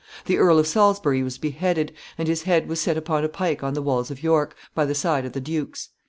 The Earl of Salisbury was beheaded, and his head was set up upon a pike on the walls of York, by the side of the duke's.